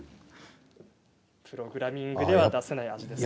プログラミングでは出せない味ですか？